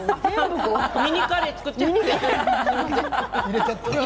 ミニカレー作っちゃいました。